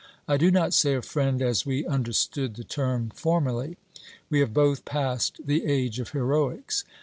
I do not say a friend as we understood the term formerly. We have both passed the age of heroics.